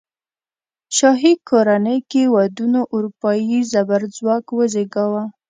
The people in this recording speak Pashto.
شاهي کورنۍ کې ودونو اروپايي زبرځواک وزېږاوه.